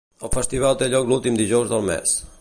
El festival té lloc l'últim dijous del mes.